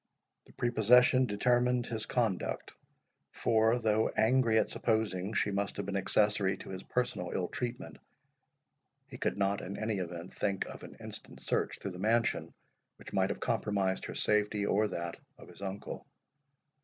This prepossession determined his conduct; for, though angry at supposing she must have been accessory to his personal ill treatment, he could not in any event think of an instant search through the mansion, which might have compromised her safety, or that of his uncle.